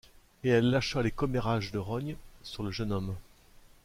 Et elle lâcha les commérages de Rognes sur le jeune homme.